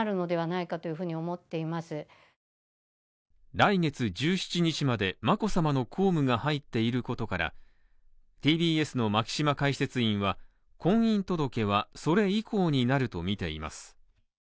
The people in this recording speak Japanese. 来月１７日まで、眞子さまの公務が入っていることから、ＴＢＳの牧嶋解説委員は、婚姻届はそれ以降になるとみています。